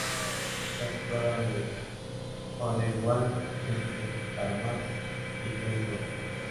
Está situada en el Odenwald entre Darmstadt y Heilbronn.